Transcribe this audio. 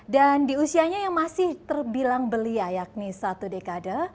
dan di usianya yang masih terbilang belia yakni satu dekade